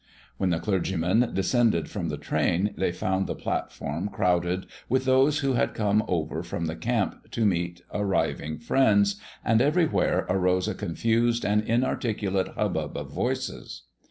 When the clergymen descended from the train they found the platform crowded with those who had come over from the camp to meet arriving friends, and everywhere arose a confused and inarticulate hubbub of voices.